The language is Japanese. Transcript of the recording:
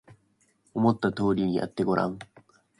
思った通りにやってごらん